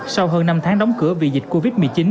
sau hơn năm tháng đóng cửa vì dịch covid một mươi chín